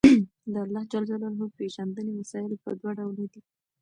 د اللَّهِ ج پيژندنې وسايل په دوه ډوله دي